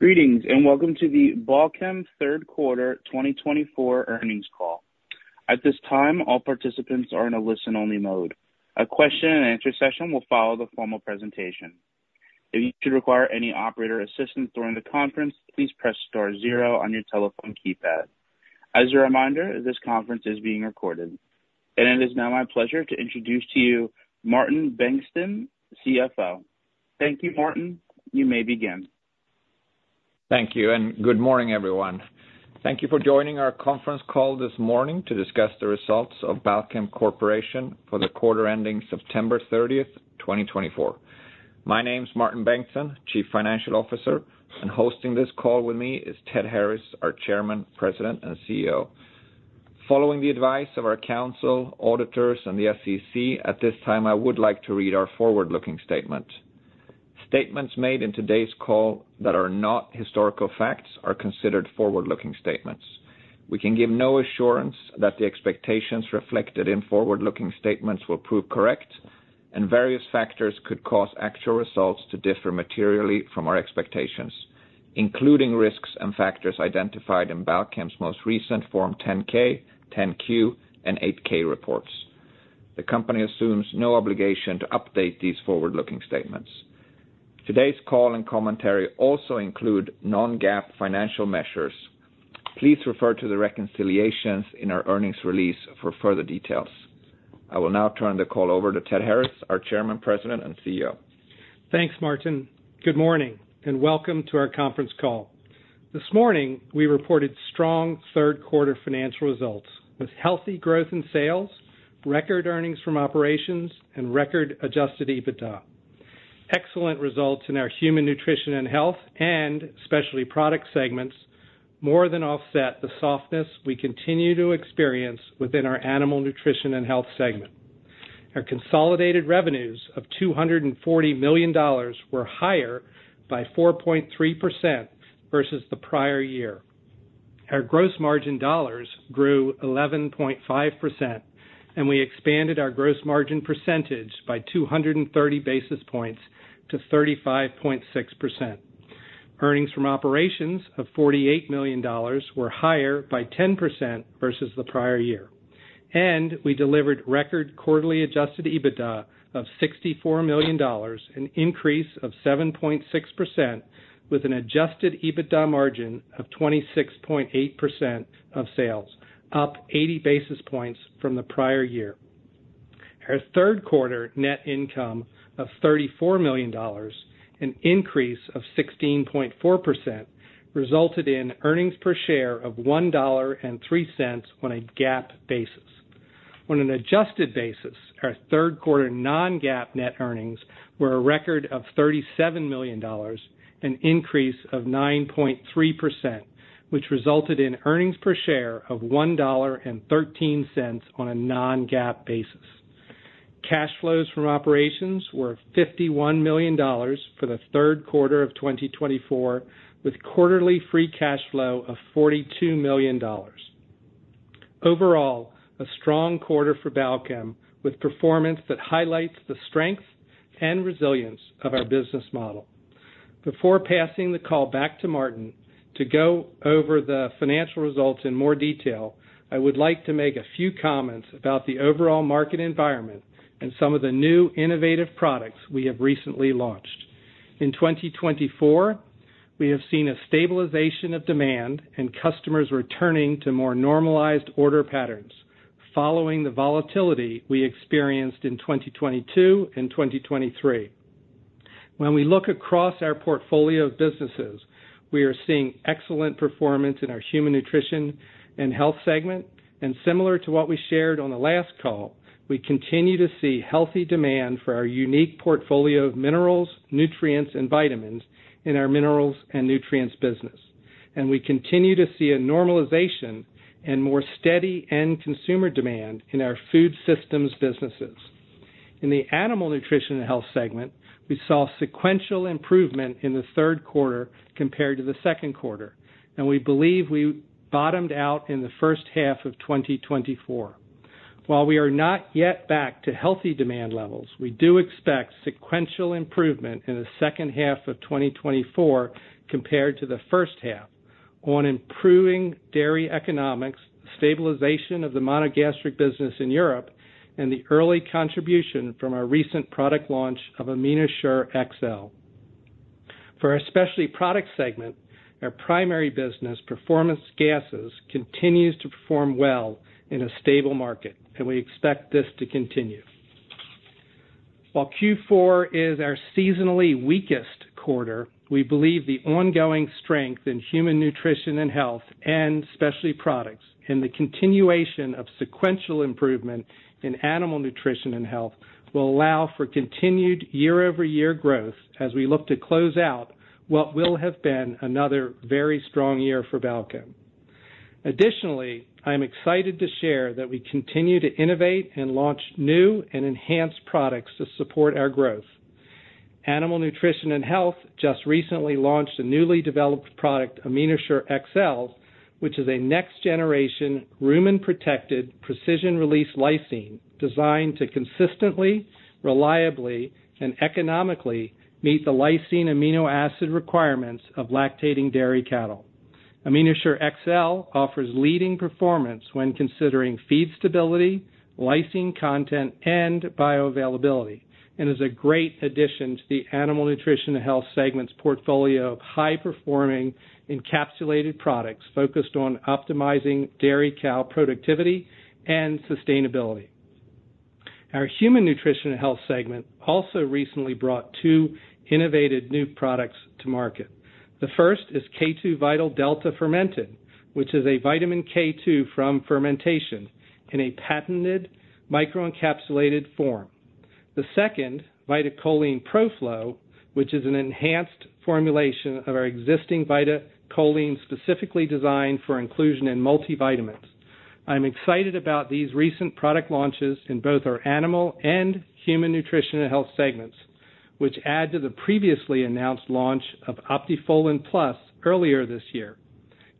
Greetings, and welcome to the Balchem third quarter 2024 earnings call. At this time, all participants are in a listen-only mode. A question and answer session will follow the formal presentation. If you should require any operator assistance during the conference, please press star zero on your telephone keypad. As a reminder, this conference is being recorded. And it is now my pleasure to introduce to you Martin Bengtsson, CFO. Thank you, Martin. You may begin. Thank you, and good morning, everyone. Thank you for joining our conference call this morning to discuss the results of Balchem Corporation for the quarter ending September 30th, 2024. My name is Martin Bengtsson, Chief Financial Officer, and hosting this call with me is Ted Harris, our Chairman, President, and CEO. Following the advice of our counsel, auditors, and the SEC, at this time, I would like to read our forward-looking statement. Statements made in today's call that are not historical facts are considered forward-looking statements. We can give no assurance that the expectations reflected in forward-looking statements will prove correct, and various factors could cause actual results to differ materially from our expectations, including risks and factors identified in Balchem's most recent Form 10-K, 10-Q, and 8-K reports. The company assumes no obligation to update these forward-looking statements. Today's call and commentary also include non-GAAP financial measures. Please refer to the reconciliations in our earnings release for further details. I will now turn the call over to Ted Harris, our Chairman, President, and CEO. Thanks, Martin. Good morning, and welcome to our conference call. This morning, we reported strong third quarter financial results with healthy growth in sales, record earnings from operations, and record Adjusted EBITDA. Excellent results in our Human Nutrition and Health and Specialty Products segments more than offset the softness we continue to experience within our Animal Nutrition and Health segment. Our consolidated revenues of $240 million were higher by 4.3% versus the prior year. Our gross margin dollars grew 11.5%, and we expanded our gross margin percentage by 230 basis points to 35.6%. Earnings from operations of $48 million were higher by 10% versus the prior year, and we delivered record quarterly Adjusted EBITDA of $64 million, an increase of 7.6%, with an Adjusted EBITDA margin of 26.8% of sales, up 80 basis points from the prior year. Our third quarter net income of $34 million, an increase of 16.4%, resulted in earnings per share of $1.03 on a GAAP basis. On an adjusted basis, our third quarter non-GAAP net earnings were a record of $37 million, an increase of 9.3%, which resulted in earnings per share of $1.13 on a non-GAAP basis. Cash flows from operations were $51 million for the third quarter of 2024, with quarterly free cash flow of $42 million. Overall, a strong quarter for Balchem, with performance that highlights the strength and resilience of our business model. Before passing the call back to Martin to go over the financial results in more detail, I would like to make a few comments about the overall market environment and some of the new innovative products we have recently launched. In 2024, we have seen a stabilization of demand and customers returning to more normalized order patterns following the volatility we experienced in 2022 and 2023. When we look across our portfolio of businesses, we are seeing excellent performance in our Human Nutrition and Health segment, and similar to what we shared on the last call, we continue to see healthy demand for our unique portfolio of minerals, nutrients, and vitamins in our Minerals & Nutrients business. And we continue to see a normalization and more steady end consumer demand in our food systems businesses. In the Animal Nutrition and Health segment, we saw sequential improvement in the third quarter compared to the second quarter, and we believe we bottomed out in the first half of 2024. While we are not yet back to healthy demand levels, we do expect sequential improvement in the second half of 2024 compared to the first half on improving dairy economics, stabilization of the monogastric business in Europe, and the early contribution from our recent product launch of AminoShure-XL. For our Specialty Products segment, our primary business, Performance Gases, continues to perform well in a stable market, and we expect this to continue. While Q4 is our seasonally weakest quarter, we believe the ongoing strength in Human Nutrition and Health and Specialty Products, and the continuation of sequential improvement in Animal Nutrition and Health will allow for continued year-over-year growth as we look to close out what will have been another very strong year for Balchem. Additionally, I'm excited to share that we continue to innovate and launch new and enhanced products to support our growth. Animal Nutrition and Health just recently launched a newly developed product, AminoShure-XL, which is a next generation rumen-protected precision-release lysine designed to consistently, reliably, and economically meet the lysine amino acid requirements of lactating dairy cattle. AminoShure-XL offers leading performance when considering feed stability, lysine content, and bioavailability, and is a great addition to the Animal Nutrition and Health segment's portfolio of high-performing encapsulated products focused on optimizing dairy cow productivity and sustainability. Our Human Nutrition and Health segment also recently brought two innovative new products to market. The first is K2VITAL Delta Fermented, which is a vitamin K2 from fermentation in a patented microencapsulated form. The second, VitaCholine Pro-Flo, which is an enhanced formulation of our existing VitaCholine, specifically designed for inclusion in multivitamins. I'm excited about these recent product launches in both our Animal and Human Nutrition and Health segments, which add to the previously announced launch of Optifolin+ earlier this year,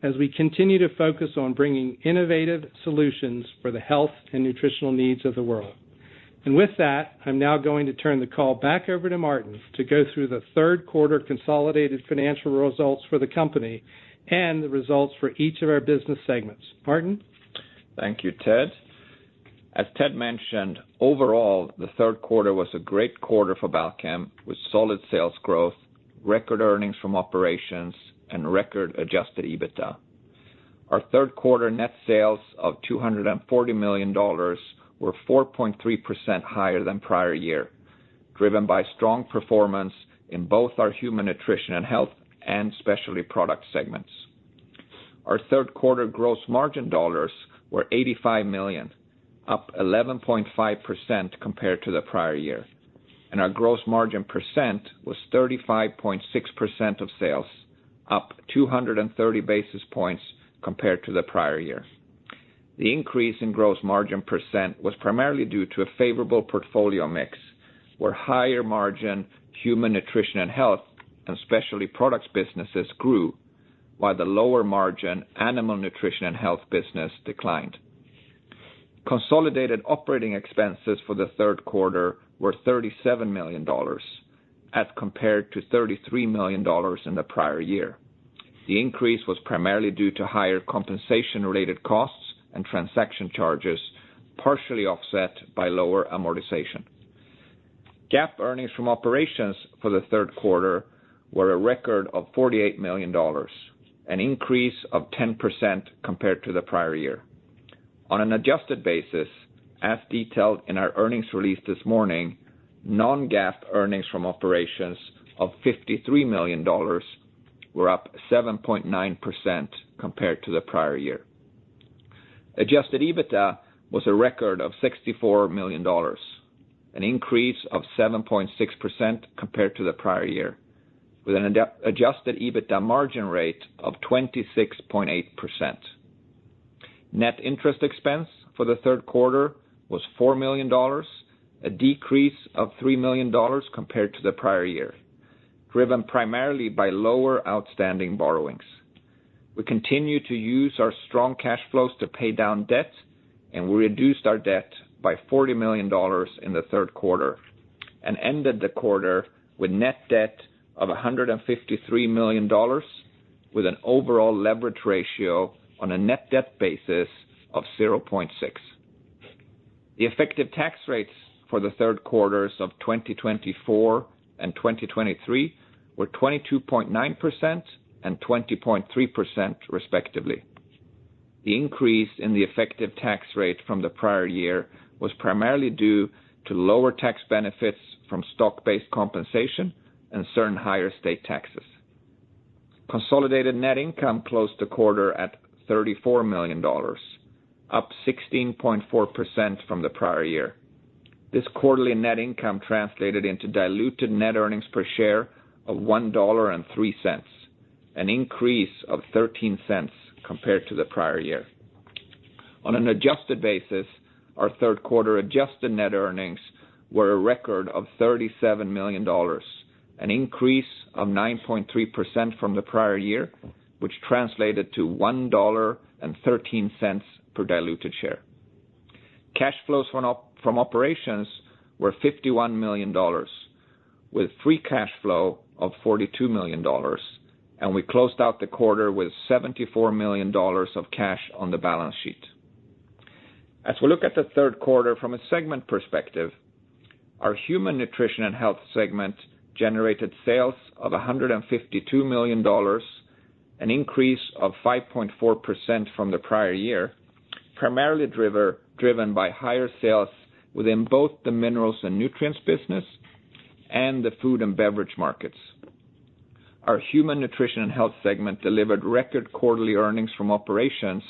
as we continue to focus on bringing innovative solutions for the health and nutritional needs of the world. With that, I'm now going to turn the call back over to Martin to go through the third quarter consolidated financial results for the company and the results for each of our business segments. Martin? Thank you, Ted. As Ted mentioned, overall, the third quarter was a great quarter for Balchem, with solid sales growth, record earnings from operations, and record Adjusted EBITDA. Our third quarter net sales of $240 million were 4.3% higher than prior year, driven by strong performance in both our Human Nutrition and Health and Specialty Products segments. Our third quarter gross margin dollars were $85 million, up 11.5% compared to the prior year, and our gross margin percent was 35.6% of sales, up 230 basis points compared to the prior year. The increase in gross margin percent was primarily due to a favorable portfolio mix, where higher margin Human Nutrition and Health and Specialty Products businesses grew, while the lower margin Animal Nutrition and Health business declined. Consolidated operating expenses for the third quarter were $37 million, as compared to $33 million in the prior year. The increase was primarily due to higher compensation-related costs and transaction charges, partially offset by lower amortization. GAAP earnings from operations for the third quarter were a record of $48 million, an increase of 10% compared to the prior year. On an adjusted basis, as detailed in our earnings release this morning, non-GAAP earnings from operations of $53 million were up 7.9% compared to the prior year. Adjusted EBITDA was a record of $64 million, an increase of 7.6% compared to the prior year, with an Adjusted EBITDA margin rate of 26.8%. Net interest expense for the third quarter was $4 million, a decrease of $3 million compared to the prior year, driven primarily by lower outstanding borrowings. We continue to use our strong cash flows to pay down debt, and we reduced our debt by $40 million in the third quarter and ended the quarter with net debt of $153 million, with an overall leverage ratio on a net debt basis of 0.6. The effective tax rates for the third quarters of 2024 and 2023 were 22.9% and 20.3%, respectively. The increase in the effective tax rate from the prior year was primarily due to lower tax benefits from stock-based compensation and certain higher state taxes. Consolidated net income closed the quarter at $34 million, up 16.4% from the prior year. This quarterly net income translated into diluted net earnings per share of $1.03, an increase of 13 cents compared to the prior year. On an adjusted basis, our third quarter adjusted net earnings were a record of $37 million, an increase of 9.3% from the prior year, which translated to $1.13 per diluted share. Cash flows from operations were $51 million, with free cash flow of $42 million, and we closed out the quarter with $74 million of cash on the balance sheet. As we look at the third quarter from a segment perspective, our Human Nutrition and Health segment generated sales of $152 million, an increase of 5.4% from the prior year, primarily driven by higher sales within both the Minerals & Nutrients business and the food and beverage markets. Our Human Nutrition and Health segment delivered record quarterly earnings from operations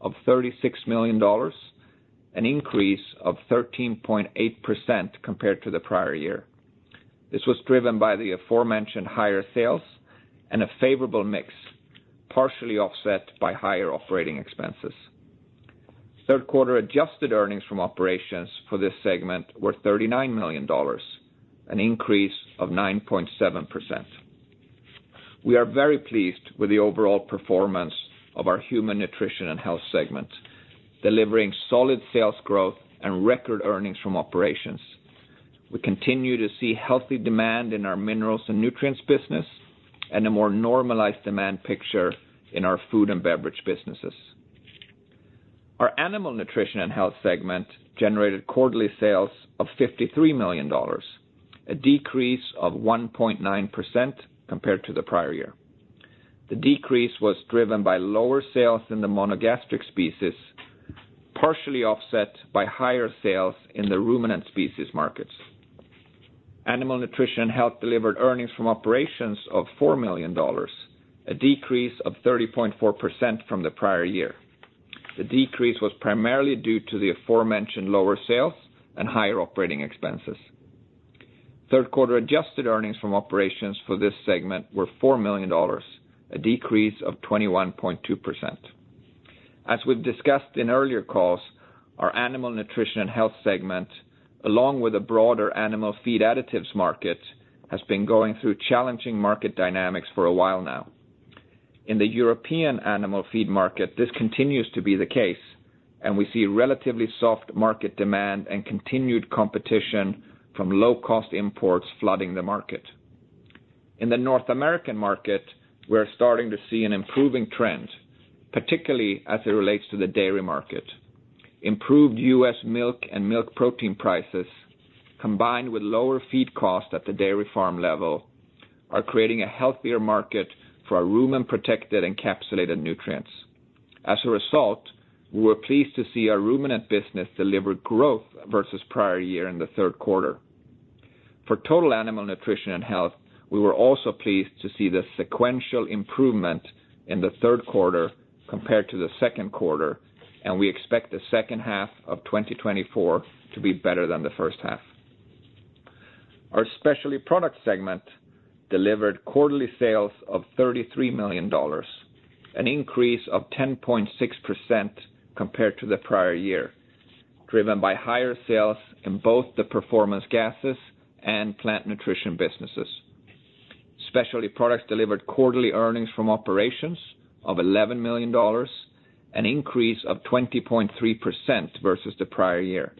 of $36 million, an increase of 13.8% compared to the prior year. This was driven by the aforementioned higher sales and a favorable mix, partially offset by higher operating expenses. Third quarter adjusted earnings from operations for this segment were $39 million, an increase of 9.7%. We are very pleased with the overall performance of our Human Nutrition and Health segment, delivering solid sales growth and record earnings from operations. We continue to see healthy demand in our Minerals & Nutrients business and a more normalized demand picture in our food and beverage businesses. Our Animal Nutrition and Health segment generated quarterly sales of $53 million, a decrease of 1.9% compared to the prior year. The decrease was driven by lower sales in the monogastric species, partially offset by higher sales in the ruminant species markets. Animal Nutrition and Health delivered earnings from operations of $4 million, a decrease of 30.4% from the prior year. The decrease was primarily due to the aforementioned lower sales and higher operating expenses. Third quarter adjusted earnings from operations for this segment were $4 million, a decrease of 21.2%. As we've discussed in earlier calls, our Animal Nutrition and Health segment, along with the broader animal feed additives market, has been going through challenging market dynamics for a while now. In the European animal feed market, this continues to be the case, and we see relatively soft market demand and continued competition from low-cost imports flooding the market. In the North American market, we're starting to see an improving trend, particularly as it relates to the dairy market. Improved U.S. milk and milk protein prices, combined with lower feed costs at the dairy farm level, are creating a healthier market for our rumen-protected encapsulated nutrients. As a result, we were pleased to see our ruminant business deliver growth versus prior year in the third quarter. For total Animal Nutrition and Health, we were also pleased to see the sequential improvement in the third quarter compared to the second quarter, and we expect the second half of 2024 to be better than the first half. Our Specialty Products segment delivered quarterly sales of $33 million, an increase of 10.6% compared to the prior year, driven by higher sales in both the Performance Gases and Plant Nutrition businesses. Specialty Products delivered quarterly earnings from operations of $11 million, an increase of 20.3% versus the prior year,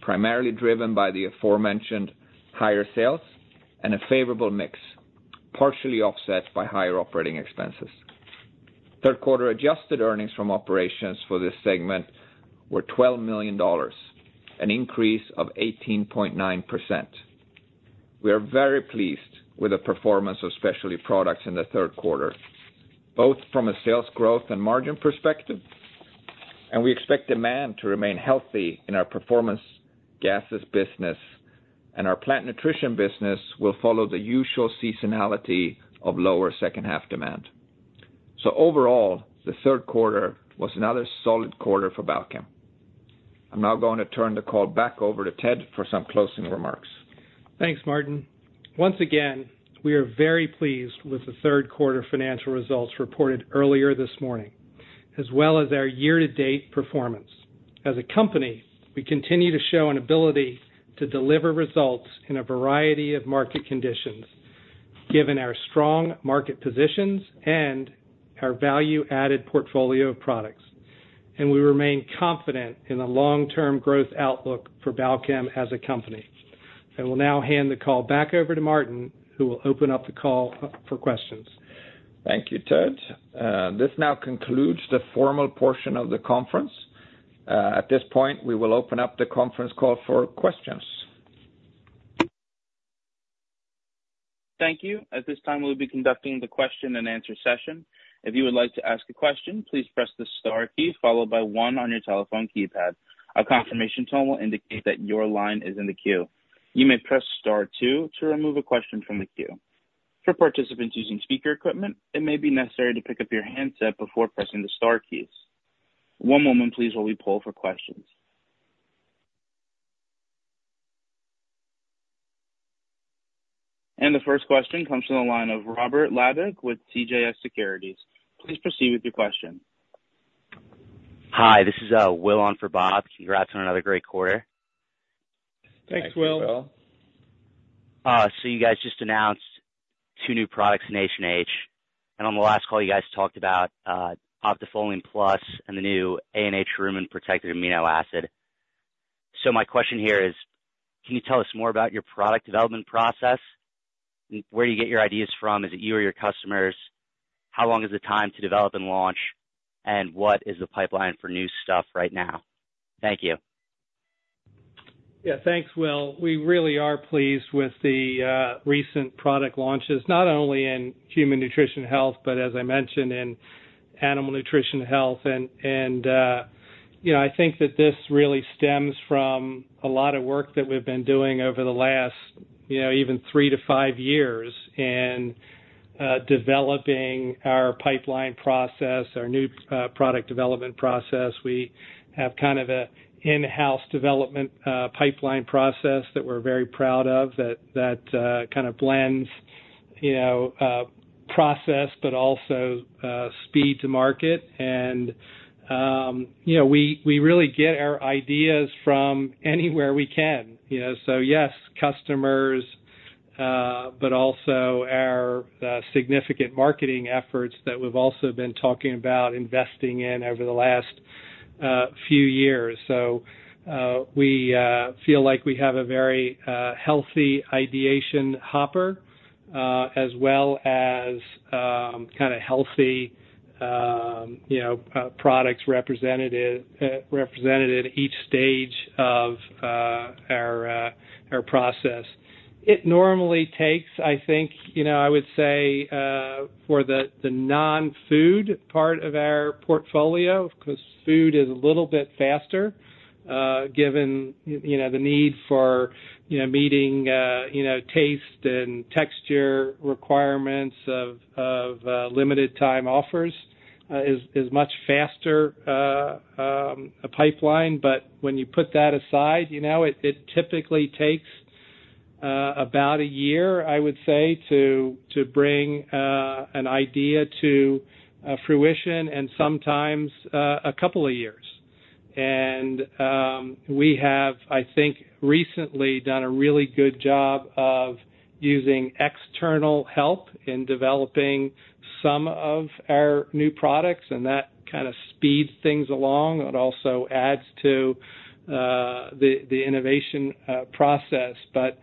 primarily driven by the aforementioned higher sales and a favorable mix, partially offset by higher operating expenses. Third quarter adjusted earnings from operations for this segment were $12 million, an increase of 18.9%. We are very pleased with the performance of Specialty Products in the third quarter, both from a sales growth and margin perspective, and we expect demand to remain healthy in our Performance Gases business, and our Plant Nutrition business will follow the usual seasonality of lower second-half demand. So overall, the third quarter was another solid quarter for Balchem. I'm now going to turn the call back over to Ted for some closing remarks. Thanks, Martin. Once again, we are very pleased with the third quarter financial results reported earlier this morning, as well as our year-to-date performance. As a company, we continue to show an ability to deliver results in a variety of market conditions, given our strong market positions and our value-added portfolio of products, and we remain confident in the long-term growth outlook for Balchem as a company. I will now hand the call back over to Martin, who will open up the call up for questions. Thank you, Ted. This now concludes the formal portion of the conference. At this point, we will open up the conference call for questions. Thank you. At this time, we'll be conducting the question-and-answer session. If you would like to ask a question, please press the star key followed by one on your telephone keypad. A confirmation tone will indicate that your line is in the queue. You may press star two to remove a question from the queue. For participants using speaker equipment, it may be necessary to pick up your handset before pressing the star keys. One moment, please, while we poll for questions. And the first question comes from the line of Robert Labick with CJS Securities. Please proceed with your question. Hi, this is Will on for Bob. Congrats on another great quarter. Thanks, Will. Thanks, Will. So you guys just announced two new products, HNH, and on the last call, you guys talked about Optifolin+ and the new ANH rumen-protected amino acid. So my question here is: can you tell us more about your product development process? Where you get your ideas from, is it you or your customers? How long is the time to develop and launch, and what is the pipeline for new stuff right now? Thank you. Yeah, thanks, Will. We really are pleased with the recent product launches, not only in human nutrition health, but as I mentioned, in animal nutrition health. And, you know, I think that this really stems from a lot of work that we've been doing over the last, you know, even three to five years in developing our pipeline process, our new product development process. We have kind of a in-house development pipeline process that we're very proud of, that kind of blends you know process, but also speed to market. And, you know, we really get our ideas from anywhere we can, you know. So yes, customers, but also our significant marketing efforts that we've also been talking about investing in over the last few years. We feel like we have a very healthy ideation hopper, as well as kind of healthy, you know, products represented at each stage of our process. It normally takes, I think, you know, I would say, for the non-food part of our portfolio, 'cause food is a little bit faster, given you know, the need for, you know, meeting you know, taste and texture requirements of limited time offers is much faster a pipeline. But when you put that aside, you know, it typically takes about a year, I would say, to bring an idea to fruition, and sometimes a couple of years. We have, I think, recently done a really good job of using external help in developing some of our new products, and that kind of speeds things along. It also adds to the innovation process. But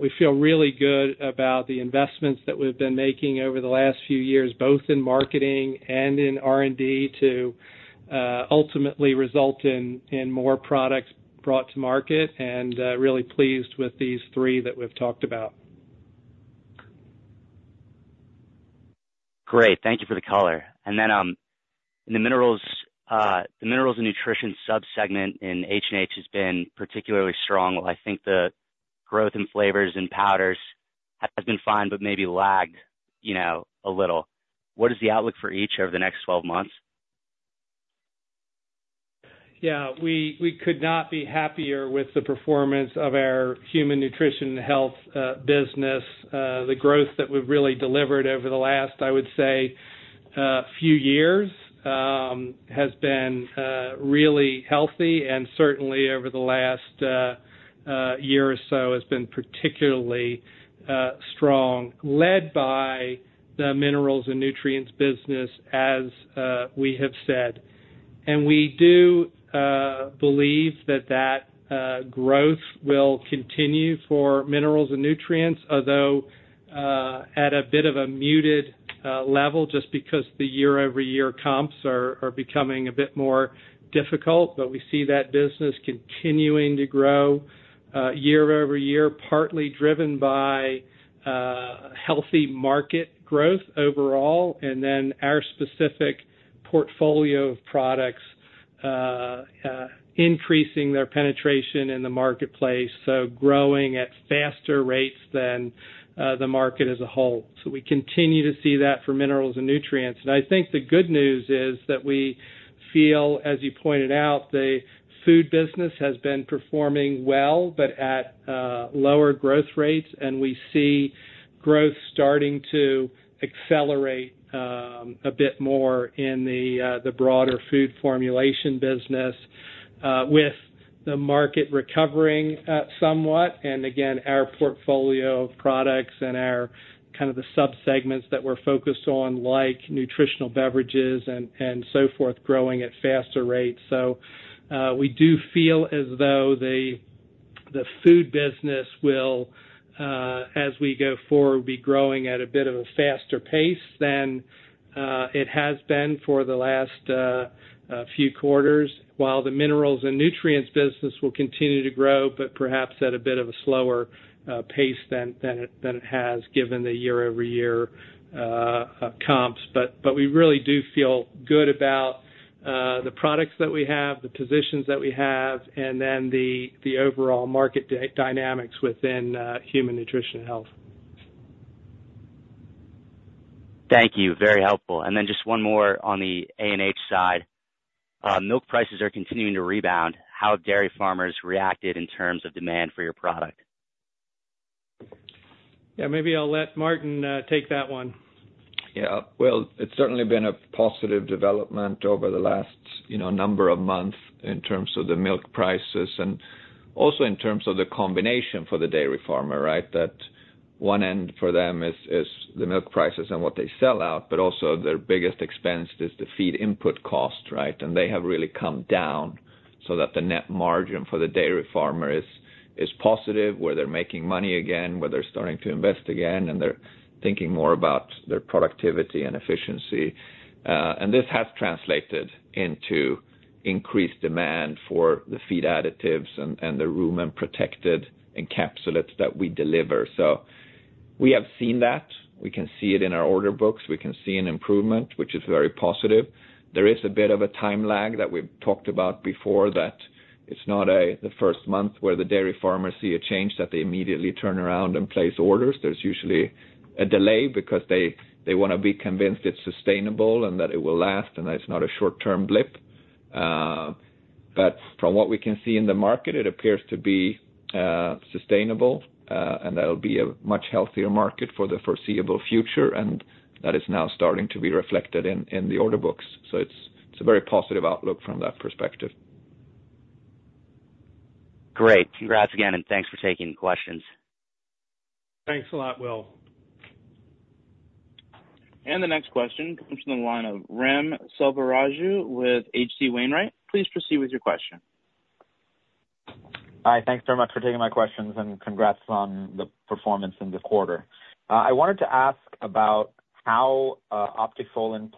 we feel really good about the investments that we've been making over the last few years, both in marketing and in R&D, to ultimately result in more products brought to market, and really pleased with these three that we've talked about. Great. Thank you for the color. And then, in the minerals, the minerals and nutrition subsegment in HNH has been particularly strong. I think the growth in flavors and powders has been fine, but maybe lagged, you know, a little. What is the outlook for each over the next twelve months? Yeah, we could not be happier with the performance of our Human Nutrition and Health business. The growth that we've really delivered over the last, I would say, few years has been really healthy, and certainly over the last year or so has been particularly strong, led by the Minerals & Nutrients business, as we have said, and we do believe that growth will continue for Minerals & Nutrients, although at a bit of a muted level, just because the year-over-year comps are becoming a bit more difficult. But we see that business continuing to grow year-over-year, partly driven by healthy market growth overall, and then our specific portfolio of products increasing their penetration in the marketplace, so growing at faster rates than the market as a whole. So we continue to see that for Minerals & Nutrients. And I think the good news is that we feel, as you pointed out, the food business has been performing well, but at lower growth rates, and we see growth starting to accelerate a bit more in the broader food formulation business with the market recovering somewhat, and again, our portfolio of products and our kind of the subsegments that we're focused on, like nutritional beverages and so forth, growing at faster rates. We do feel as though the food business will, as we go forward, be growing at a bit of a faster pace than it has been for the last few quarters, while the Minerals & Nutrients business will continue to grow, but perhaps at a bit of a slower pace than it has given the year-over-year comps. We really do feel good about the products that we have, the positions that we have, and then the overall market dynamics within Human Nutrition and Health. Thank you. Very helpful, and then just one more on the ANH side. Milk prices are continuing to rebound. How have dairy farmers reacted in terms of demand for your product? Yeah, maybe I'll let Martin take that one. Yeah. Well, it's certainly been a positive development over the last, you know, number of months in terms of the milk prices and also in terms of the combination for the dairy farmer, right? That one end for them is the milk prices and what they sell out, but also their biggest expense is the feed input cost, right? And they have really come down so that the net margin for the dairy farmer is positive, where they're making money again, where they're starting to invest again, and they're thinking more about their productivity and efficiency. And this has translated into increased demand for the feed additives and the rumen-protected encapsulates that we deliver. So we have seen that. We can see it in our order books. We can see an improvement, which is very positive. There is a bit of a time lag that we've talked about before, that it's not the first month where the dairy farmers see a change, that they immediately turn around and place orders. There's usually a delay because they wanna be convinced it's sustainable and that it will last, and it's not a short-term blip. But from what we can see in the market, it appears to be sustainable, and that'll be a much healthier market for the foreseeable future, and that is now starting to be reflected in the order books. So it's a very positive outlook from that perspective. Great. Congrats again, and thanks for taking the questions. Thanks a lot, Will. And the next question comes from the line of Ram Selvaraju with H.C. Wainwright. Please proceed with your question. Hi, thanks very much for taking my questions, and congrats on the performance in the quarter. I wanted to ask about how Optifolin+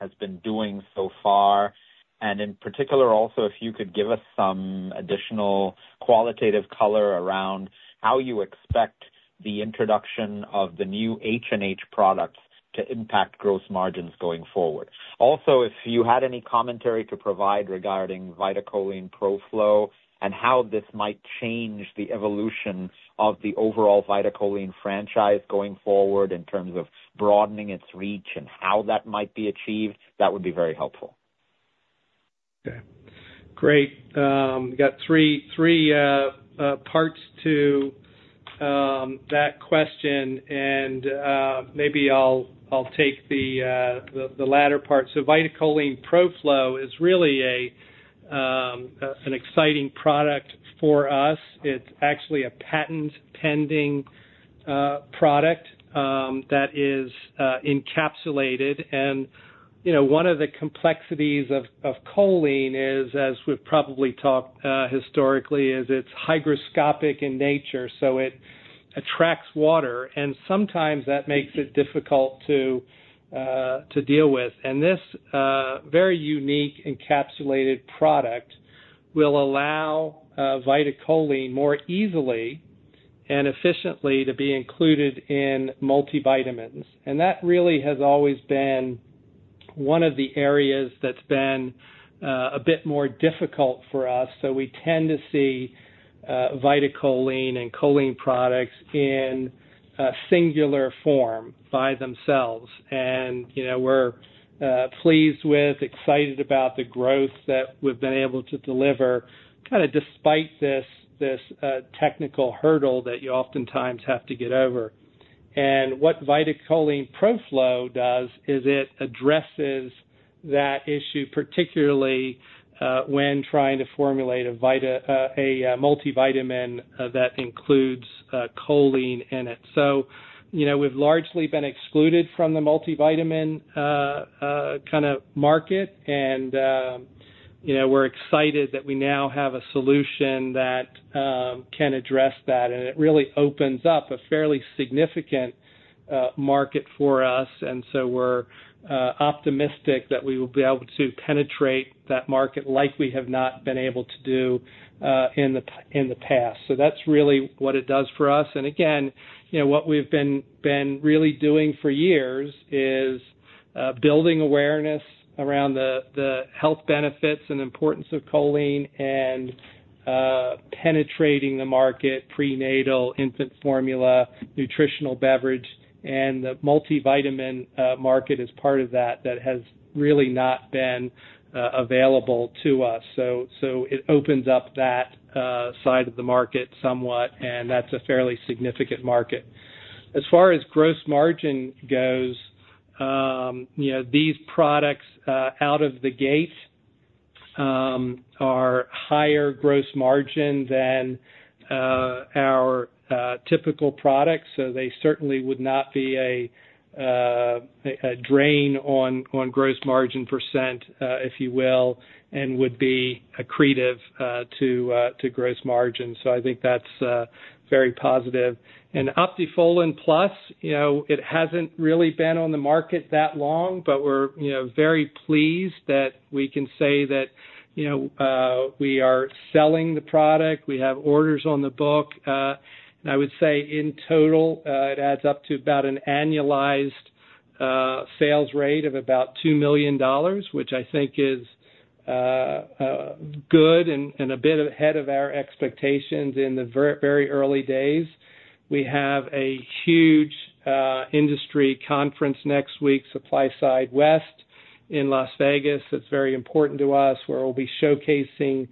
has been doing so far, and in particular, also, if you could give us some additional qualitative color around how you expect the introduction of the new HNH products to impact gross margins going forward. Also, if you had any commentary to provide regarding VitaCholine Pro-Flo, and how this might change the evolution of the overall VitaCholine franchise going forward in terms of broadening its reach and how that might be achieved, that would be very helpful. Okay, great. Got three parts to that question, and maybe I'll take the latter part. So VitaCholine Pro-Flo is really an exciting product for us. It's actually a patent-pending product that is encapsulated. And, you know, one of the complexities of choline is, as we've probably talked historically, is it's hygroscopic in nature, so it attracts water, and sometimes that makes it difficult to deal with. And this very unique encapsulated product will allow VitaCholine more easily and efficiently to be included in multivitamins. And that really has always been one of the areas that's been a bit more difficult for us. So we tend to see VitaCholine and choline products in a singular form by themselves. And, you know, we're pleased with, excited about the growth that we've been able to deliver, kinda despite this technical hurdle that you oftentimes have to get over. And what VitaCholine Pro-Flo does is it addresses that issue, particularly, when trying to formulate a multivitamin that includes choline in it. So, you know, we've largely been excluded from the multivitamin kinda market, and, you know, we're excited that we now have a solution that can address that, and it really opens up a fairly significant market for us. And so we're optimistic that we will be able to penetrate that market like we have not been able to do in the past. So that's really what it does for us. Again, you know, what we've been really doing for years is building awareness around the health benefits and importance of choline and penetrating the market, prenatal, infant formula, nutritional beverage, and the multivitamin market as part of that that has really not been available to us. It opens up that side of the market somewhat, and that's a fairly significant market. As far as gross margin goes, you know, these products out of the gate are higher gross margin than our typical products, so they certainly would not be a drain on gross margin percent, if you will, and would be accretive to gross margins. I think that's very positive. And Optifolin+, you know, it hasn't really been on the market that long, but we're, you know, very pleased that we can say that, you know, we are selling the product, we have orders on the books. And I would say in total, it adds up to about an annualized sales rate of about $2 million, which I think is good and a bit ahead of our expectations in the very early days. We have a huge industry conference next week, SupplySide West, in Las Vegas. That's very important to us, where we'll be showcasing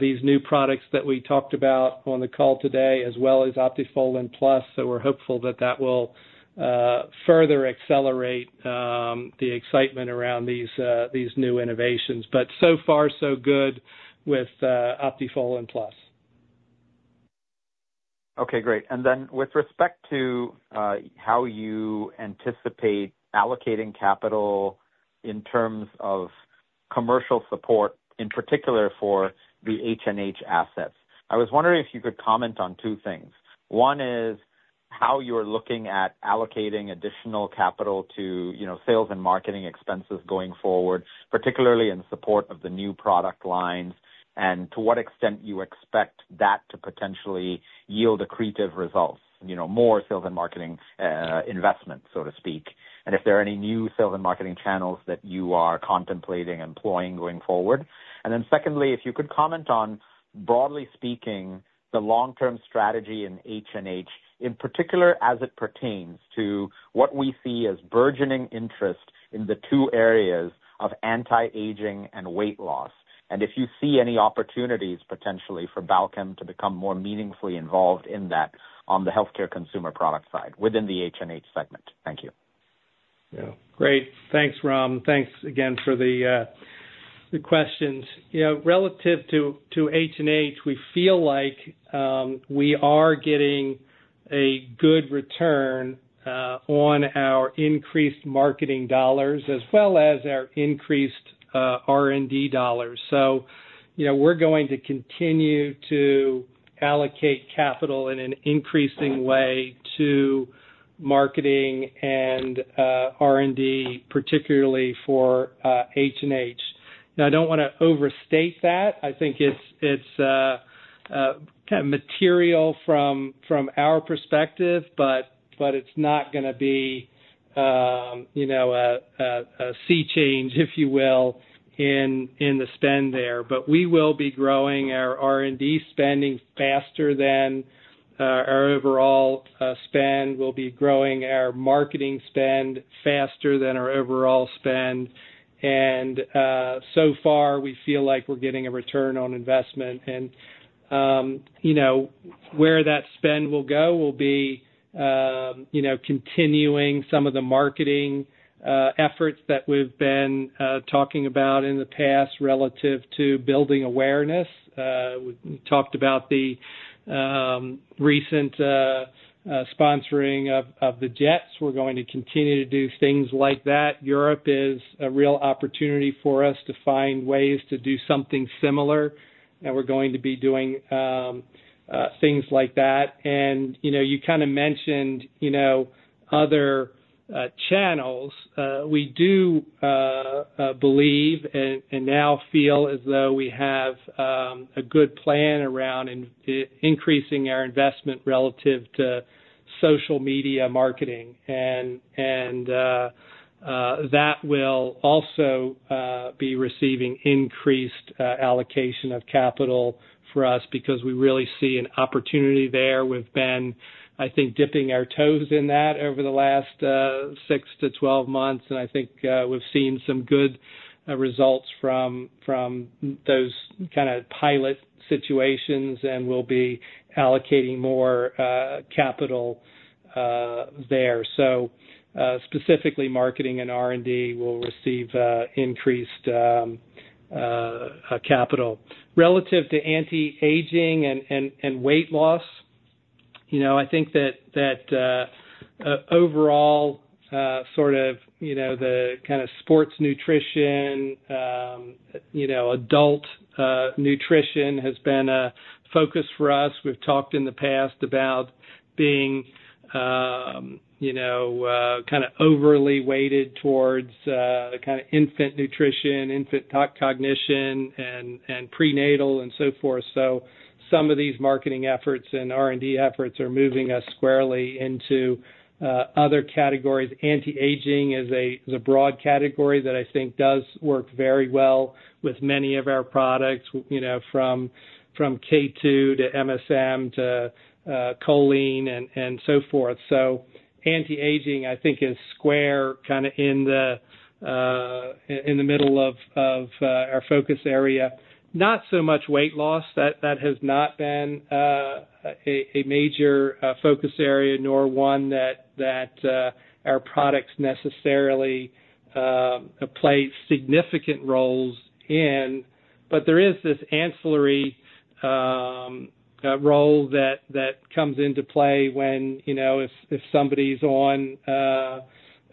these new products that we talked about on the call today, as well as Optifolin+. So we're hopeful that that will further accelerate the excitement around these new innovations. But so far, so good with Optifolin+. Okay, great. And then with respect to, how you anticipate allocating capital in terms of commercial support, in particular for the HNH assets, I was wondering if you could comment on two things. One is, how you're looking at allocating additional capital to, you know, sales and marketing expenses going forward, particularly in support of the new product lines, and to what extent you expect that to potentially yield accretive results? You know, more sales and marketing, investment, so to speak, and if there are any new sales and marketing channels that you are contemplating employing going forward? And then secondly, if you could comment on, broadly speaking, the long-term strategy in HNH, in particular, as it pertains to what we see as burgeoning interest in the two areas of anti-aging and weight loss. If you see any opportunities potentially for Balchem to become more meaningfully involved in that on the healthcare consumer product side, within the HNH segment. Thank you. Yeah. Great. Thanks, Ram. Thanks again for the questions. You know, relative to HNH, we feel like we are getting a good return on our increased marketing dollars, as well as our increased R&D dollars. So, you know, we're going to continue to allocate capital in an increasing way to marketing and R&D, particularly for HNH. Now, I don't wanna overstate that. I think it's kind of material from our perspective, but it's not gonna be, you know, a sea change, if you will, in the spend there. But we will be growing our R&D spending faster than our overall spend. We'll be growing our marketing spend faster than our overall spend, and so far, we feel like we're getting a return on investment. You know, where that spend will go will be you know, continuing some of the marketing efforts that we've been talking about in the past, relative to building awareness. We talked about the recent sponsoring of the Jets. We're going to continue to do things like that. Europe is a real opportunity for us to find ways to do something similar, and we're going to be doing things like that. You know, you kind of mentioned, you know, other channels. We do believe and now feel as though we have a good plan around increasing our investment relative to social media marketing. That will also be receiving increased allocation of capital for us, because we really see an opportunity there. We've been, I think, dipping our toes in that over the last six to twelve months, and I think we've seen some good results from those kind of pilot situations, and we'll be allocating more capital there. So specifically, marketing and R&D will receive increased capital. Relative to anti-aging and weight loss, you know, I think that overall sort of you know the kind of sports nutrition, you know, adult nutrition has been a focus for us. We've talked in the past about being kind of overly weighted towards the kind of infant nutrition, infant cognition, and prenatal, and so forth. So some of these marketing efforts and R&D efforts are moving us squarely into other categories. Anti-aging is a broad category that I think does work very well with many of our products, you know, from K2 to MSM to choline and so forth. So anti-aging, I think, is squarely in the middle of our focus area. Not so much weight loss. That has not been a major focus area, nor one that our products necessarily play significant roles in. But there is this ancillary role that comes into play when, you know, if somebody's on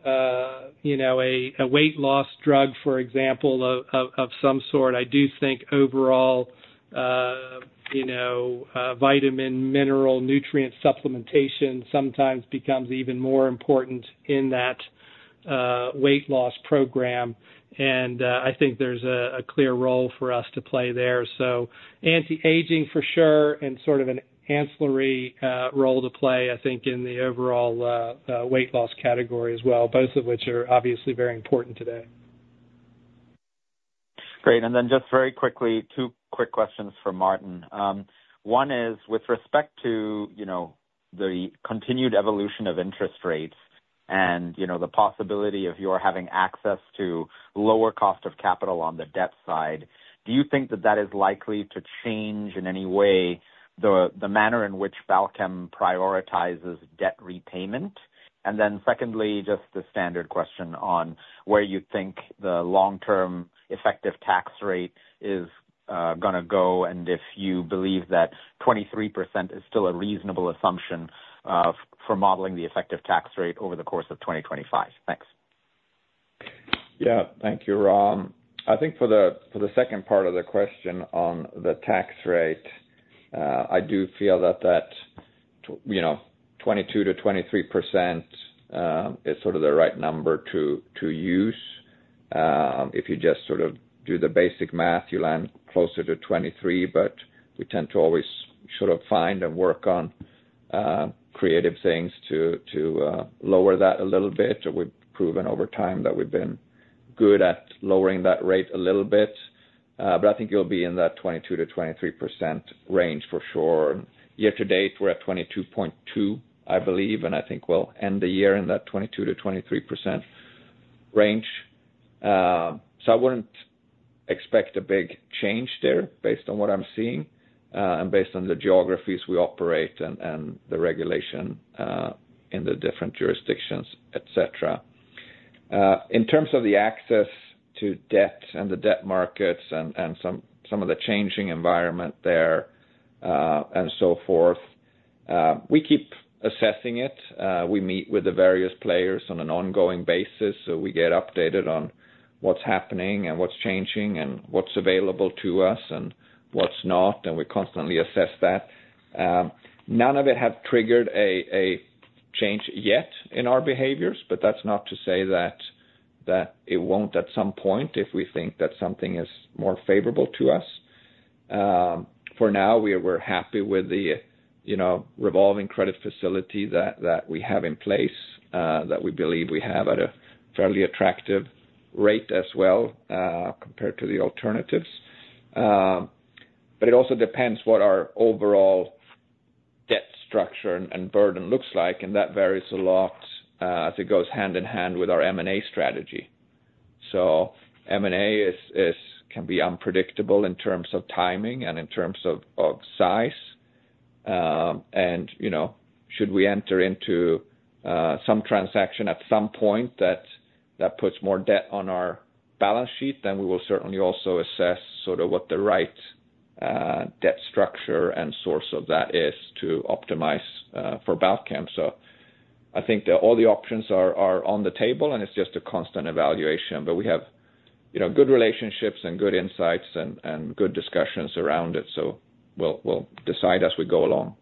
a weight loss drug, for example, of some sort, I do think overall, you know, vitamin, mineral, nutrient supplementation sometimes becomes even more important in that weight loss program. And, I think there's a clear role for us to play there. So anti-aging, for sure, and sort of an ancillary role to play, I think, in the overall weight loss category as well, both of which are obviously very important today. Great. And then just very quickly, two quick questions for Martin. One is, with respect to, you know, the continued evolution of interest rates and, you know, the possibility of your having access to lower cost of capital on the debt side, do you think that that is likely to change in any way the, the manner in which Balchem prioritizes debt repayment? And then secondly, just the standard question on where you think the long-term effective tax rate is gonna go, and if you believe that 23% is still a reasonable assumption for modeling the effective tax rate over the course of 2025. Thanks. Yeah. Thank you, Ram. I think for the second part of the question on the tax rate, I do feel that you know, 22%-23% is sort of the right number to use. If you just sort of do the basic math, you land closer to twenty-three, but we tend to always sort of find and work on creative things to lower that a little bit. We've proven over time that we've been good at lowering that rate a little bit, but I think it'll be in that 22%-23% range for sure. Year to date, we're at 22.2, I believe, and I think we'll end the year in that 22%-23% range. So I wouldn't expect a big change there based on what I'm seeing, and based on the geographies we operate and the regulation in the different jurisdictions, et cetera. In terms of the access to debt and the debt markets and some of the changing environment there, and so forth, we keep assessing it. We meet with the various players on an ongoing basis, so we get updated on what's happening and what's changing and what's available to us and what's not, and we constantly assess that. None of it have triggered a change yet in our behaviors, but that's not to say that it won't at some point if we think that something is more favorable to us. For now, we're happy with the, you know, revolving credit facility that we have in place, that we believe we have at a fairly attractive rate as well, compared to the alternatives. But it also depends what our overall debt structure and burden looks like, and that varies a lot, as it goes hand in hand with our M&A strategy. M&A can be unpredictable in terms of timing and in terms of size. And, you know, should we enter into some transaction at some point, that puts more debt on our balance sheet, then we will certainly also assess sort of what the right debt structure and source of that is to optimize for Balchem. So I think that all the options are on the table, and it's just a constant evaluation. But we have, you know, good relationships and good insights and good discussions around it, so we'll decide as we go along.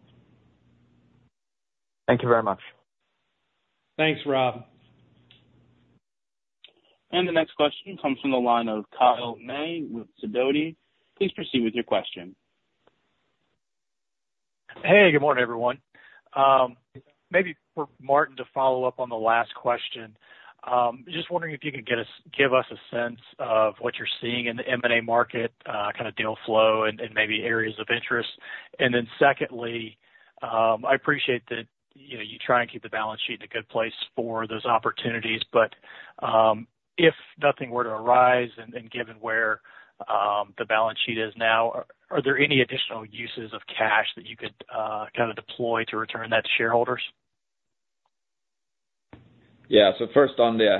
Thank you very much. Thanks, Rob. And the next question comes from the line of Kyle May with Sidoti. Please proceed with your question. Hey, good morning, everyone. Maybe for Martin to follow up on the last question, just wondering if you could give us a sense of what you're seeing in the M&A market, kind of deal flow and, and maybe areas of interest. And then secondly, I appreciate that, you know, you try and keep the balance sheet in a good place for those opportunities, but, if nothing were to arise and given where the balance sheet is now, are there any additional uses of cash that you could, kind of deploy to return that to shareholders? Yeah. So first, on the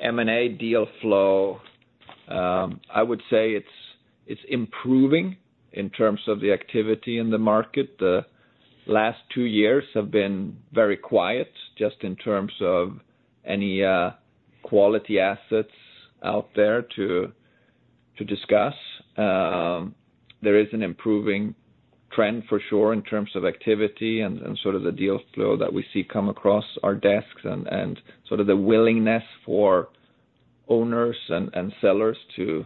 M&A deal flow, I would say it's improving in terms of the activity in the market. The last two years have been very quiet, just in terms of any quality assets out there to discuss. There is an improving trend for sure in terms of activity and sort of the deal flow that we see come across our desks and sort of the willingness for owners and sellers to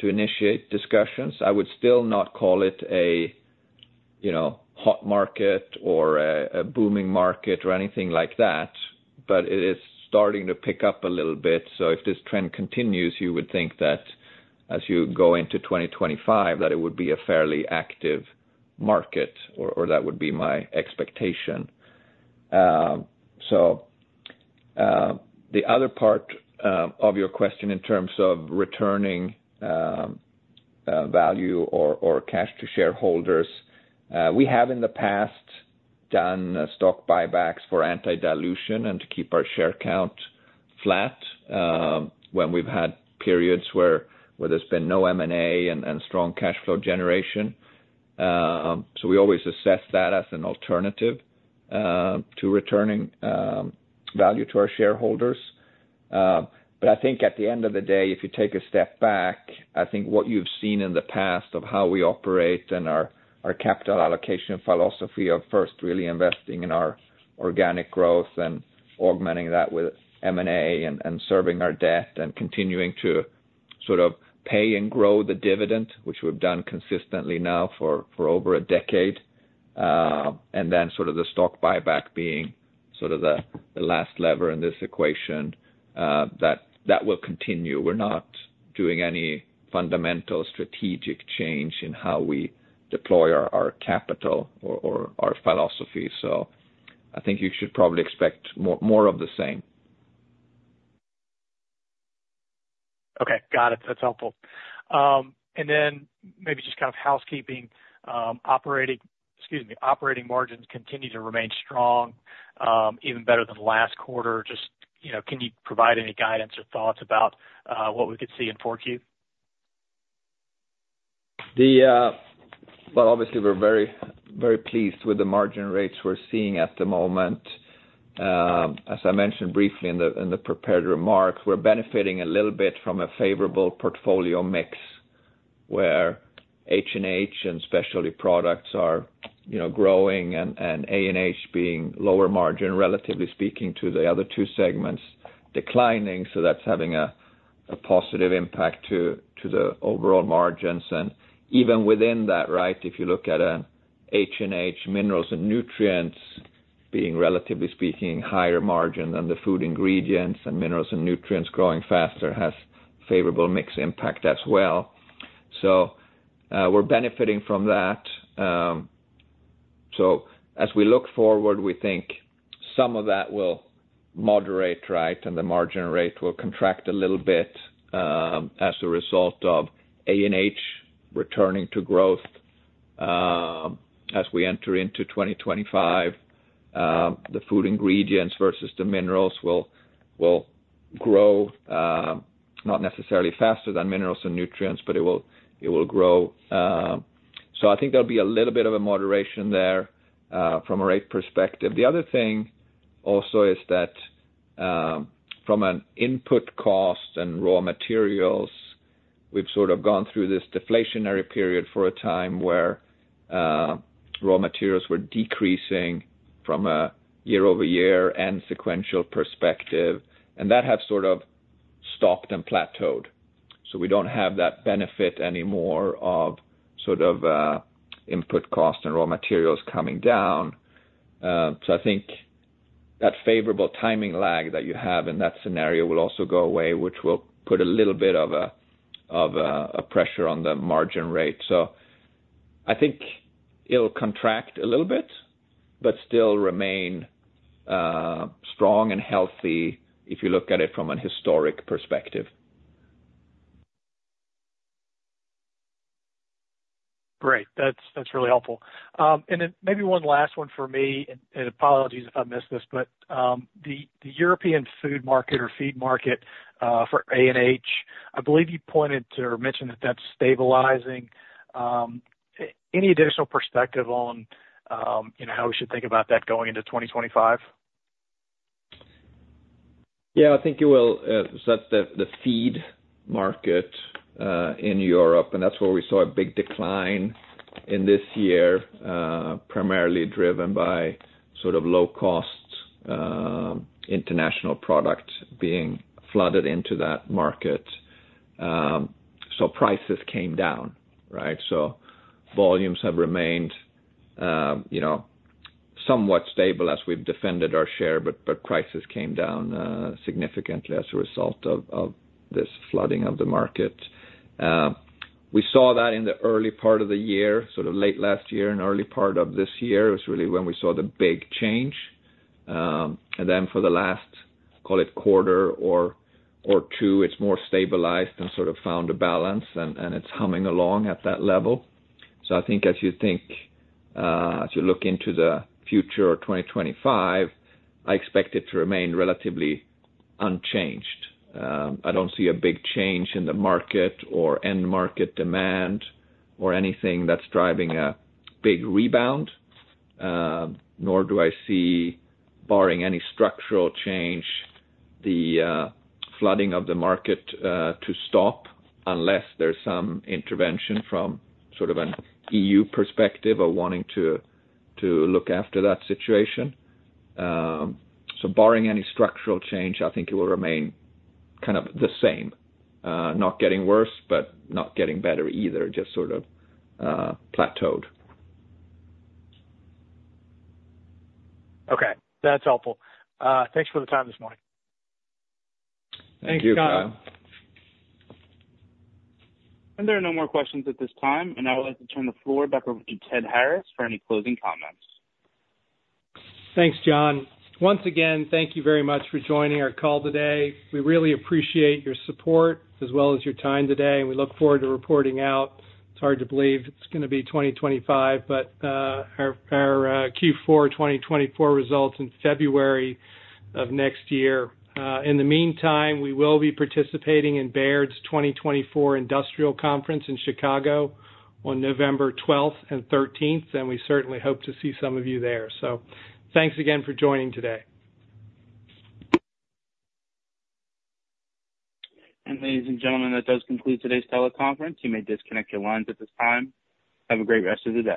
initiate discussions. I would still not call it a you know hot market or a booming market or anything like that, but it is starting to pick up a little bit. So if this trend continues, you would think that as you go into 2025, that it would be a fairly active market, or that would be my expectation. So, the other part of your question in terms of returning value or cash to shareholders, we have in the past done stock buybacks for anti-dilution and to keep our share count flat, when we've had periods where there's been no M&A and strong cash flow generation. So we always assess that as an alternative to returning value to our shareholders. But I think at the end of the day, if you take a step back, I think what you've seen in the past of how we operate and our capital allocation philosophy of first really investing in our organic growth and augmenting that with M&A and serving our debt and continuing to sort of pay and grow the dividend, which we've done consistently now for over a decade, and then sort of the stock buyback being sort of the last lever in this equation, that will continue. We're not doing any fundamental strategic change in how we deploy our capital or our philosophy. So I think you should probably expect more of the same. Okay. Got it. That's helpful. And then maybe just kind of housekeeping, operating margins continue to remain strong, even better than last quarter. Just, you know, can you provide any guidance or thoughts about what we could see in 4Q? Well, obviously, we're very, very pleased with the margin rates we're seeing at the moment. As I mentioned briefly in the prepared remarks, we're benefiting a little bit from a favorable portfolio mix, where HNH and Specialty Products are, you know, growing, and ANH being lower margin, relatively speaking, to the other two segments declining, so that's having a positive impact to the overall margins, and even within that, right? If you look at HNH Minerals & Nutrients being, relatively speaking, higher margin than the food ingredients, and Minerals & Nutrients growing faster has favorable mix impact as well so we're benefiting from that so as we look forward, we think some of that will moderate, right? And the margin rate will contract a little bit as a result of ANH returning to growth. As we enter into 2025, the food ingredients versus the minerals will grow, not necessarily faster than Minerals & Nutrients, but it will grow. So I think there'll be a little bit of a moderation there, from a rate perspective. The other thing also is that, from an input cost and raw materials, we've sort of gone through this deflationary period for a time where raw materials were decreasing from a year-over-year and sequential perspective, and that has sort of stopped and plateaued, so we don't have that benefit anymore of sort of input cost and raw materials coming down. So I think that favorable timing lag that you have in that scenario will also go away, which will put a little bit of a pressure on the margin rate. So I think it'll contract a little bit, but still remain strong and healthy if you look at it from a historic perspective. Great. That's, that's really helpful. And then maybe one last one for me, and, and apologies if I missed this, but, the, the European food market or feed market for ANH, I believe you pointed to or mentioned that that's stabilizing. Any additional perspective on, you know, how we should think about that going into 2025? Yeah, I think you will, so that the feed market in Europe, and that's where we saw a big decline in this year, primarily driven by sort of low-cost international product being flooded into that market. So prices came down, right? So volumes have remained, you know, somewhat stable as we've defended our share, but prices came down significantly as a result of this flooding of the market. We saw that in the early part of the year, sort of late last year and early part of this year was really when we saw the big change. And then for the last, call it quarter or two, it's more stabilized and sort of found a balance, and it's humming along at that level. So I think as you look into the future of 2025, I expect it to remain relatively unchanged. I don't see a big change in the market or end market demand or anything that's driving a big rebound, nor do I see, barring any structural change, the flooding of the market to stop, unless there's some intervention from sort of an EU perspective of wanting to look after that situation. So barring any structural change, I think it will remain kind of the same. Not getting worse, but not getting better either, just sort of plateaued. Okay. That's helpful. Thanks for the time this morning. Thank you, Kyle. There are no more questions at this time, and I would like to turn the floor back over to Ted Harris for any closing comments. Thanks, John. Once again, thank you very much for joining our call today. We really appreciate your support as well as your time today, and we look forward to reporting out. It's hard to believe it's gonna be 2025, but our Q4 2024 results in February of next year. In the meantime, we will be participating in Baird's 2024 Industrial Conference in Chicago on November 12th and 13th, and we certainly hope to see some of you there, so thanks again for joining today. Ladies and gentlemen, that does conclude today's teleconference. You may disconnect your lines at this time. Have a great rest of the day.